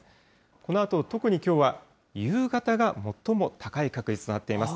このあと特にきょうは夕方が最も高い確率となっています。